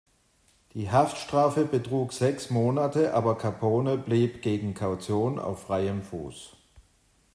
Die Haftstrafe betrug sechs Monate, aber Capone blieb gegen Kaution auf freiem Fuß.